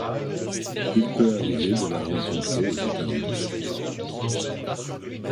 Il peut arriver de la rencontrer aux États-Unis.